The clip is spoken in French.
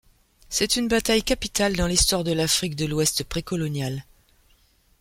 C'est une bataille capitale dans l'Histoire de l'Afrique de l'Ouest précoloniale.